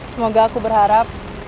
semoga aku berharap